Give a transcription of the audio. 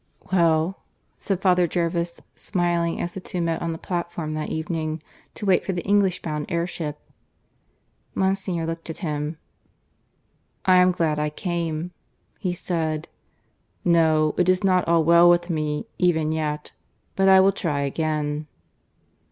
... (VIII) "Well?" said Father Jervis, smiling, as the two met on the platform that evening, to wait for the English bound air ship. Monsignor looked at him. "I am glad I came," he said. "No; it is not all well with me, even yet. But I will try again."